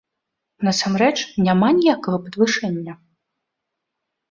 Насамрэч, няма ніякага падвышэння!